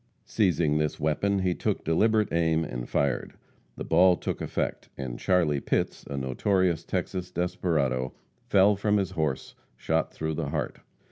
Seizing this weapon, he took deliberate aim and fired. The ball took effect, and Charlie Pitts, a notorious Texas desperado, fell from his horse, shot through the heart.